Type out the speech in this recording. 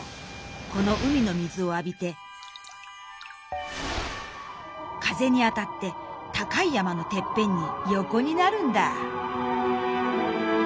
この海の水を浴びて風に当たって高い山のてっぺんによこになるんだ」。